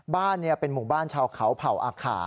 บ้านเป็นหมู่บ้านชาวเขาเผ่าอาขา